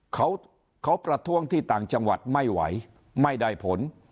เขาประท้วงที่ต่างจังหวัดไม่ไหวไม่ได้ผล